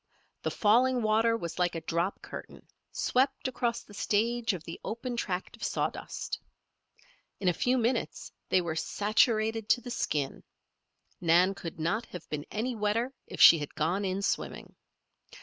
The falling water was like a drop curtain, swept across the stage of the open tract of sawdust. In a few minutes they were saturated to the skin. Nan could not have been any wetter if she had gone in swimming.